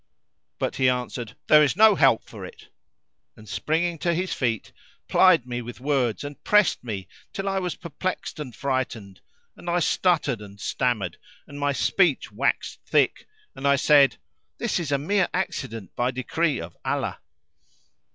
But he answered, "There is no help for it;" and, springing to his feet, plied me with words and pressed me till I was perplexed and frightened; and I stuttered and stammered and my speech waxed thick and I said, "This is a mere accident by decree of Allah."